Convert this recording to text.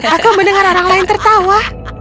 aku mendengar orang lain tertawa